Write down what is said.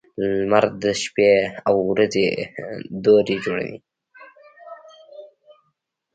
• لمر د شپې او ورځې دورې جوړوي.